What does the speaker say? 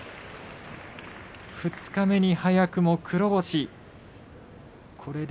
二日目に早くも黒星、御嶽海